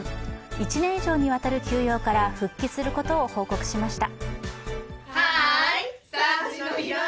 １年以上にわたる休養から復帰することを報告しました。